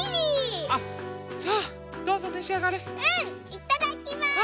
いただきます！